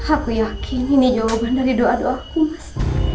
aku yakin ini jawaban dari doa doaku mas